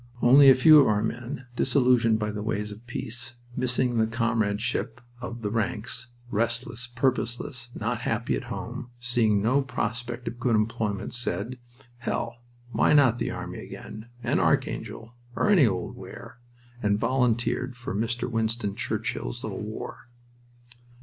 Only a few of our men, disillusioned by the ways of peace, missing the old comradeship of the ranks, restless, purposeless, not happy at home, seeing no prospect of good employment, said: "Hell!... Why not the army again, and Archangel, or any old where?" and volunteered for Mr. Winston Churchill's little war.